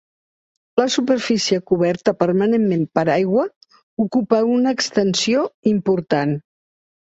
La superfície coberta permanentment per aigua ocupa una extensió important.